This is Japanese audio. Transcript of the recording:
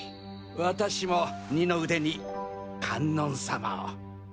私も二の腕に観音様を。